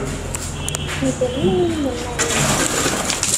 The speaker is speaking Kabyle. Mdel imi-nnem a Layla.